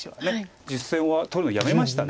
実戦は取るのやめました。